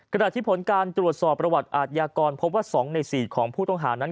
ขณะที่ผลการตรวจสอบประวัติอาทยากรพบว่า๒ใน๔ของผู้ต้องหานั้น